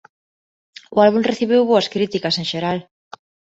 O álbum recibiu boas críticas en xeral.